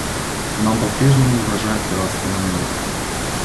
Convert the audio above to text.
Нам по-прежнему угрожает пиратство на море.